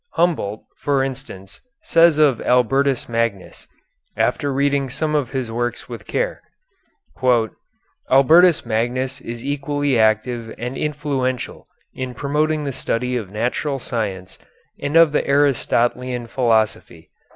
Humboldt, for instance, says of Albertus Magnus, after reading some of his works with care: Albertus Magnus is equally active and influential in promoting the study of natural science and of the Aristotelian philosophy.